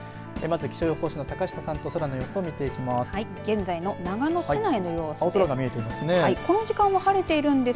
気象予報士の坂下さんと空の様子を見ていきます。